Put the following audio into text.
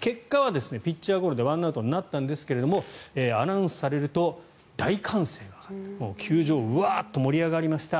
結果はピッチャーゴロで１アウトになったんですがアナウンスされると大歓声球場がワーッと盛り上がりました。